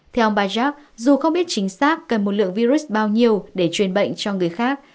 theo bà jac dù không biết chính xác cần một lượng virus bao nhiêu để truyền bệnh cho người khác